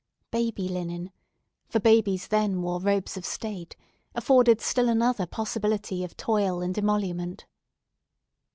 Baby linen—for babies then wore robes of state—afforded still another possibility of toil and emolument.